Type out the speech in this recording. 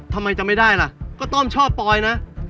ทำไมจะไม่ได้ล่ะก็ต้อมชอบปอยนะ